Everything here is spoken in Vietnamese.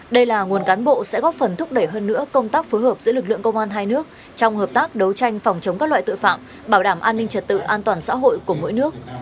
đây là nguồn cán bộ sẽ góp phần thúc đẩy hơn nữa công tác phối hợp giữa lực lượng công an hai nước trong hợp tác đấu tranh phòng chống các loại tội phạm bảo đảm an ninh trật tự an toàn xã hội của mỗi nước